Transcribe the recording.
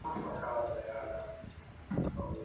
خیر محمد د خدای د فضل انتظار کاوه.